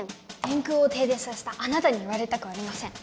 電空を停電させたあなたに言われたくありません！